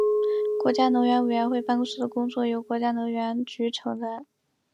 国家能源委员会办公室的工作由国家能源局承担。